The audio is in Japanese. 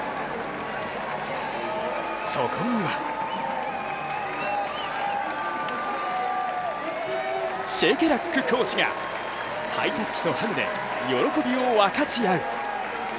そこにはシェケラックコーチがハイタッチとハグで喜びを分かち合う。